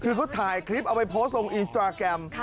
คือเขาถ่ายคลิปเอาไปโพสต์ลงอินสตราแกรม